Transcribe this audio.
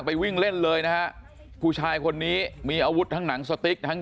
วิ่งเล่นเลยนะฮะผู้ชายคนนี้มีอาวุธทั้งหนังสติ๊กทั้ง